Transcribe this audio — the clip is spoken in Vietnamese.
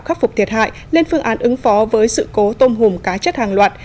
khắc phục thiệt hại lên phương án ứng phó với sự cố tôm hùm cá chết hàng loạt